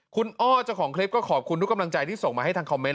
คุณอ้อเจ้าของคลิปก็ขอบคุณทุกกำลังใจที่ส่งมาให้ทางคอมเมนต